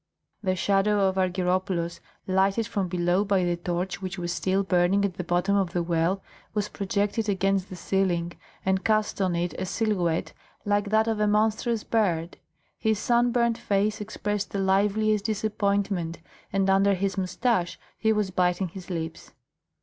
The shadow of Argyropoulos, lighted from below by the torch which was still burning at the bottom of the well, was projected against the ceiling and cast on it a silhouette like that of a monstrous bird. His sunburned face expressed the liveliest disappointment, and under his moustache he was biting his lips.